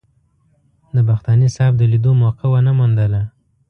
د بختاني صاحب د لیدو موقع ونه موندله.